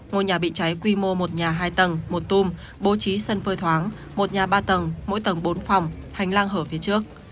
ngôi nhà bị cháy quy mô một nhà hai tầng một tùm bố trí sân phơi thoáng một nhà ba tầng mỗi tầng bốn phòng hành lang hở phía trước